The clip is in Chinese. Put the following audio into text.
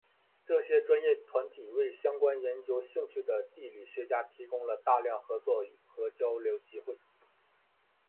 这些专业团体为相关研究兴趣的地理学家提供了大量合作和交流机会。